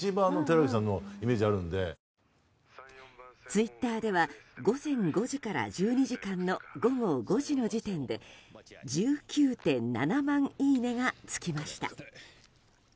ツイッターでは、午前５時から１２時間の午後５時の時点で１９．７万いいねが付きました。